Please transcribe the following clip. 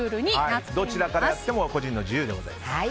どちらからやっても個人の自由でございます。